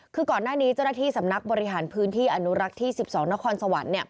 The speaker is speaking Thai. คือก่อนหน้านี้เจ้าหน้าที่สำนักบริหารพื้นที่อนุรักษ์ที่๑๒นครสวรรค์